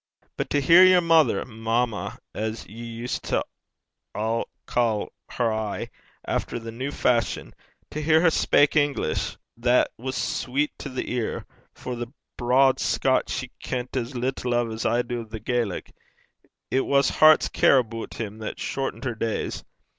But to hear yer mother mamma, as ye used to ca' her aye, efter the new fashion to hear her speyk English, that was sweet to the ear; for the braid Scotch she kent as little o' as I do o' the Erse. It was hert's care aboot him that shortent her days.